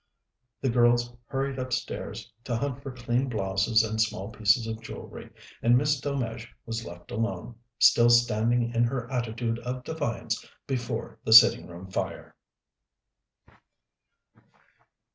The girls hurried upstairs to hunt for clean blouses and small pieces of jewellery, and Miss Delmege was left alone, still standing in her attitude of defiance before the sitting room fire.